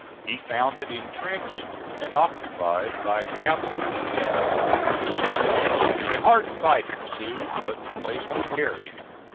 He found it intrenched and occupied by cavalry and infantry. A hard fight ensued but the place was carried.